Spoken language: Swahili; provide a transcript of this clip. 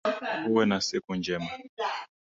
Uwe na siku njema